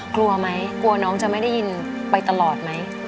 กลัวไหมกลัวน้องจะไม่ได้ยินไปตลอดไหม